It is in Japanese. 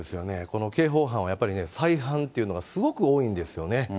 この刑法犯はやっぱり、再犯というのがすごく多いんですよね。